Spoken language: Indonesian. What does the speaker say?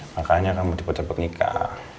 makanya kamu diputer puter nikah